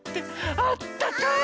あったかい！